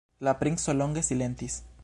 La princo longe silentis.